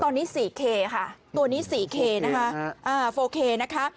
ตอนนี้สี่เครสค่ะตัวนี้สี่เครสนะคะอ่าโฟร์เครสนะคะ